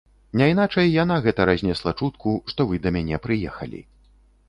Няйначай, яна гэта разнесла чутку, што вы да мяне прыехалі.